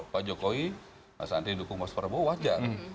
pak jokowi mas andri dukung mas prabowo wajar